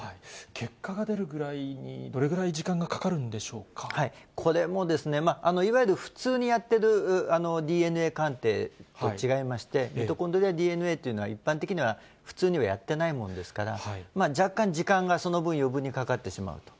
結果が出るぐらいに、どれぐこれもですね、いわゆる普通にやってるＤＮＡ鑑定と違いまして、ミトコンドリアＤＮＡというのは、一般的には、普通にはやってないものですから、若干時間が、その分、余分にかかってしまうと。